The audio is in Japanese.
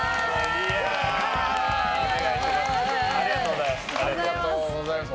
ありがとうございます。